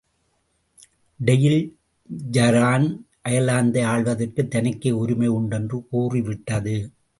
Tail Eireann அயர்லாந்தை ஆள்வதற்குத் தனக்கே உரிமை உண்டென்று கூறிவிட்டது.